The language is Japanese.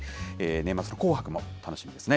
年末の紅白も楽しみですね。